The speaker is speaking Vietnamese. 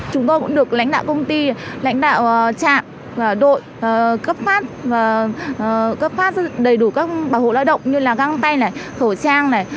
chúng tôi cũng được lãnh đạo công ty lãnh đạo trạm đội cấp phát và cấp phát đầy đủ các bảo hộ lao động như là găng tay này khẩu trang này